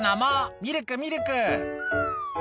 ミルク、ミルク。